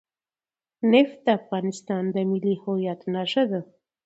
نفت د افغانستان د ملي هویت نښه ده.